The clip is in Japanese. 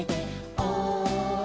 「おい！」